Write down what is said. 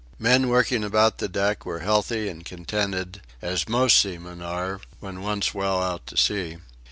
The men working about the deck were healthy and contented as most seamen are, when once well out to sea.